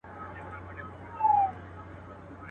سر یې کښته ځړولی وو تنها وو.